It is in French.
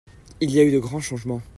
Il y a eu de grands changement.